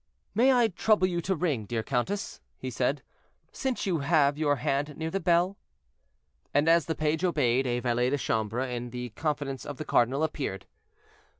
"May I trouble you to ring, dear countess," he said, "since you have your hand near the bell." And as the page obeyed, a valet de chambre in the confidence of the cardinal appeared.